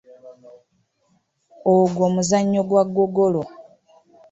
Ogwo muzannyo gwa ggogolo.